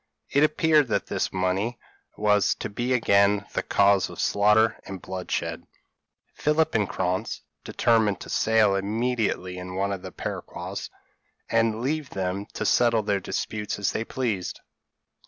It appeared that this money was to be again the cause of slaughter and bloodshed. Philip and Krantz determined to sail immediately in one of the peroquas, and leave them to settle their disputes as they pleased.